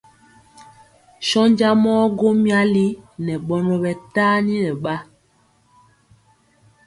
Sɔnja mɔ gwo myali nɛ ɓɔnɔ ɓɛ tani nɛ ɓa.